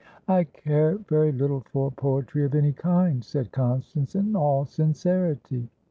"I care very little for poetry of any kind," said Constance, in all sincerity.